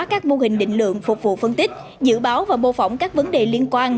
các mô hình định lượng phục vụ phân tích dự báo và mô phỏng các vấn đề liên quan